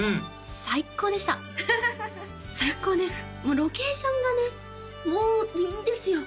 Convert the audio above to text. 最高でした最高ですロケーションがねもういいんですよ